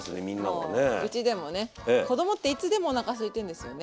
もううちでもね子どもっていつでもおなかすいてるんですよね。